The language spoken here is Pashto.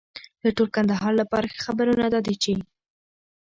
د ټول کندهار لپاره ښه خبرونه دا دي چې